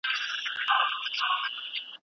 خپل عېب د ولو منځ دئ.